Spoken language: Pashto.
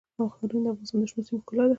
ښارونه د افغانستان د شنو سیمو ښکلا ده.